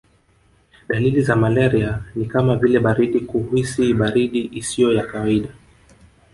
Dalili za malaria ni kama vile baridi kuhisi baridi isiyo ya kawaida